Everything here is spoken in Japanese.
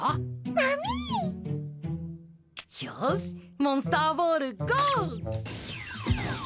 マミー！よしモンスターボールゴー！